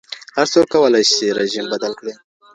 هر څوک کولی شي رژیم بدل کړي.